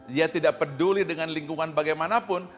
dia tidak peduli dengan lingkungan bagaimanapun